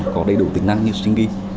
có đầy đủ tính năng như stringy